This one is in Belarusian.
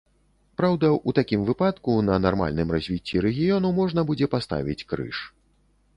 Праўда, у такім выпадку на нармальным развіцці рэгіёну можна будзе паставіць крыж.